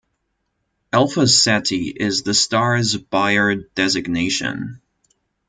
"Alpha Ceti" is the star's Bayer designation.